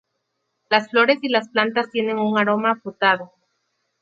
Las flores y las plantas tienen un aroma afrutado.